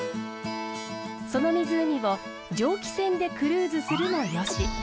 その湖を蒸気船でクルーズするもよし。